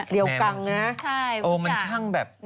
เดี๋ยวกังนะขยะมีหมดเลยโอ้มันช่างแบบ